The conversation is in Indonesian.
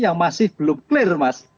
yang masih belum clear mas